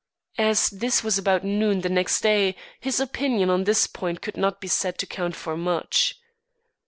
As this was about noon the next day, his opinion on this point could not be said to count for much.